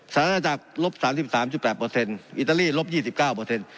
สำหรับจากลบสามสิบสามจุดแปบเปอร์เซ็นต์อิตาลีลบยี่สิบเก้าเปอร์เซ็นต์